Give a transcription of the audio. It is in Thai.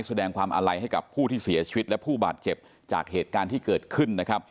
แสดงความอาลัยให้กับผู้ที่เสียชีวิตและผู้บาดเจ็บจากเหตุการณ์ที่เกิดขึ้นนะครับ